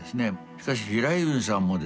しかし平泉さんもですね